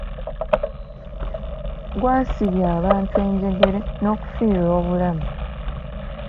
Gwasibya abantu enjegere n'okufiirwa obulamu.